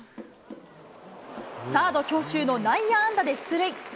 サード強襲の内野安打で出塁。